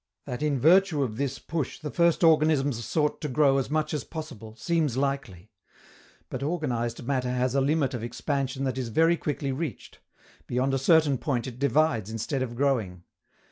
That in virtue of this push the first organisms sought to grow as much as possible, seems likely. But organized matter has a limit of expansion that is very quickly reached; beyond a certain point it divides instead of growing.